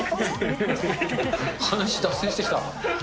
話、脱線してきた。